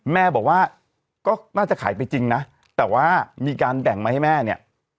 แม่บอกว่าก็น่าจะขายไปจริงนะแต่ว่ามีการแบ่งมาให้แม่เนี่ย